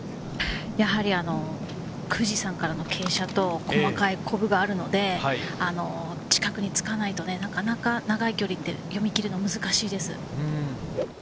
やはり富士山からの傾斜と細かいコブがあるので、近くにつかないと、なかなか長い距離って読み切るの難しいです。